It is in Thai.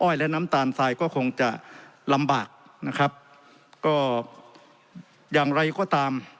และน้ำตาลทรายก็คงจะลำบากนะครับก็อย่างไรก็ตาม